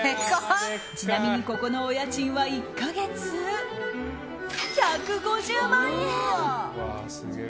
ちなみに、ここのお家賃は１か月１５０万円！